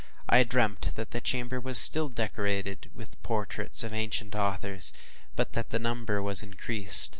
I dreamt that the chamber was still decorated with the portraits of ancient authors, but that the number was increased.